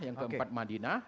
yang keempat madinah